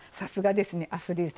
アスリートさん。